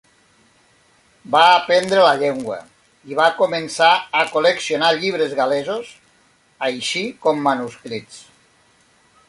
Va aprendre la llengua i va començar a col·leccionar llibres gal·lesos, així com manuscrits.